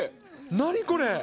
何これ。